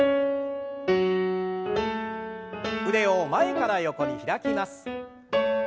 腕を前から横に開きます。